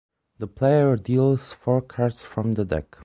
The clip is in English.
The player deals four cards from the deck.